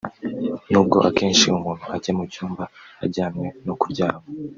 n’ubwo akenshi umuntu ajya mu cyumba ajyanwe no kuryama